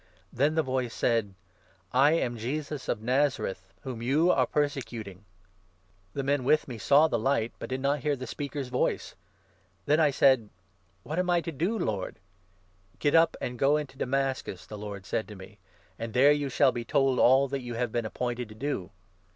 Then the voice said ' I am 8 Jesus of Nazareth whom you are persecuting.' The men with 9 me saw the light, but did not hear the speaker's voice. Then 10 I said 'What am I to do, Lord?' 'Get up and go into Damascus,' the Lord said to me, 'and there you shall be told all that you have been appointed to do.'